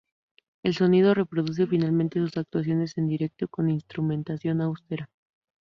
El sonido reproduce fielmente sus actuaciones en directo, con instrumentación austera.